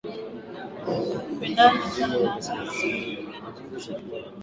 Hupendana sana na hata vita walipigana kwa kushirikiana